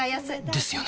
ですよね